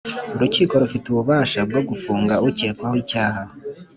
Urukiko rufite ububasha bwogufunga ucyekwaho icyaha